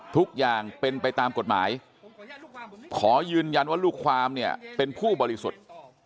ทุกอย่างเป็นไปตามกฎหมายขอยืนยันว่าลูกความเนี่ยเป็นผู้บริสุทธิ์